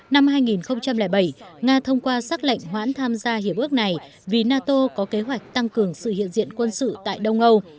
năm hai nghìn bảy nga thông qua xác lệnh hoãn tham gia hiệp ước này vì nato có kế hoạch tăng cường sự hiện diện quân sự tại đông âu